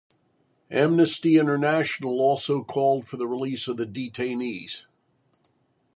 Amnesty International also called for the release of the detainees.